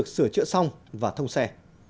sửa xong và thông xe